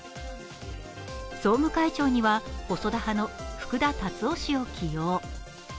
総務会長には細田派の福田達夫氏を起用。